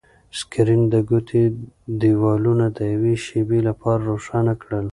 سکرین د کوټې دیوالونه د یوې شېبې لپاره روښانه کړل.